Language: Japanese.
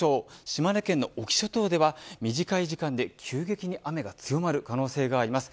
島根県の隠岐諸島では短い時間で急激に雨が強まる可能性があります。